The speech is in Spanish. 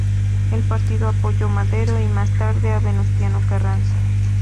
El partido apoyó Madero y más tarde a Venustiano Carranza.